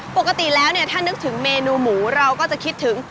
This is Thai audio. ปกติแล้วเนี่ยถ้านึกถึงเมนูหมูเราก็จะคิดถึง